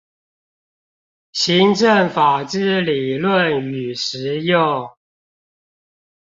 行政法之理論與實用